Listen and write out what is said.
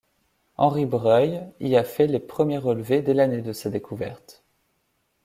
Henri Breuil y a fait les premiers relevés dès l'année de sa découverte.